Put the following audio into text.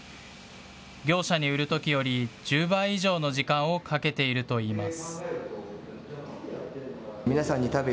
業者に売るときより１０倍以上の時間をかけているといいます。